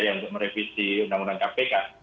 yang untuk merevisi undang undang kpk